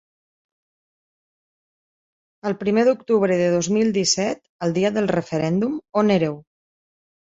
El primer d’octubre de dos mil disset, el dia del referèndum, on éreu?